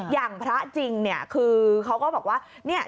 อย่างพระจริงคือเขาก็บอกว่า